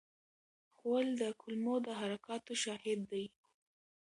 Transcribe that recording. غول د کولمو د حرکاتو شاهد دی.